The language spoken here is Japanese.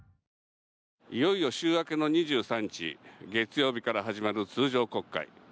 いよいよ週明けの２３日月曜日から始まる通常国会。